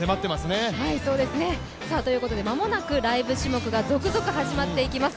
間もなくライブ種目が続々始まっていきます。